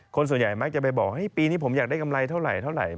คนส่วนใหญ่มักจะไปบอกปีนี้ผมอยากได้กำไรเท่าไหร่